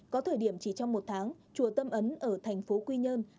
có thời điểm chỉ trong một tháng chùa tâm ấn ở thành phố quy nhơn